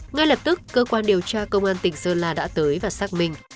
ngay lập tức cơ quan điều tra công an tỉnh sơn la đã tới và xác minh